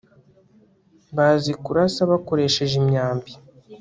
bazi kurasa bakoresheje imyambi